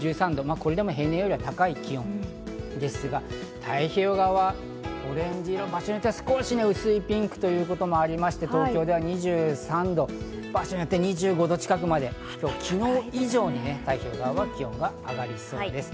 これでも平年より高い気温ですが、太平洋側はオレンジ色、少し薄いピンクというところもあって東京では２３度、場所によって２５度近くまで、昨日以上に太平洋側は気温が上がりそうです。